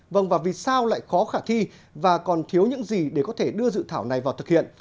vâng và vì sao lại khó khả thi và còn thiếu những gì để có thể đưa dự thảo này vào thực hiện